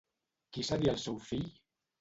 Qui seria el seu fill?